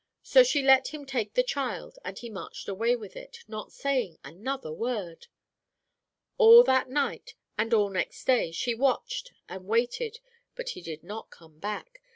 So she let him take the child, and he marched away with it, not saying another word. "All that night, and all next day, she watched and waited, but he did not come back.